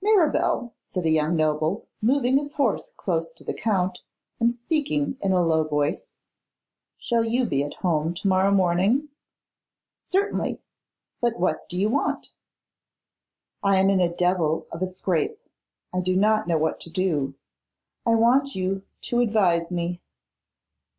'Mirabel,' said a young noble, moving his horse close to the Count, and speaking in a low voice, 'shall you be at home to morrow morning?' 'Certainly. But what do you want?' 'I am in a devil of a scrape; I do not know what to do. I want you to advise me.